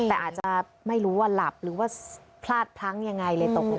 แต่อาจจะไม่รู้ว่าหลับหรือว่าพลาดพลั้งยังไงเลยตกลง